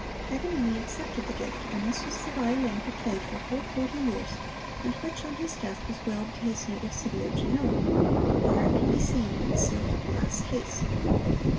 Paganini accepted the gift, and this was the violin he played for full forty years, and which, on his death, was willed to his native city of Genoa. There it can be seen in its sealed up glass case.